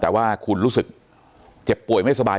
แต่ว่าคุณรู้สึกเจ็บป่วยไม่สบาย